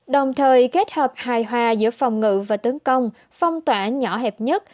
đồng thời kết hợp hài hòa giữa phòng ngự và tấn công phong tỏa nhỏ hẹp nhất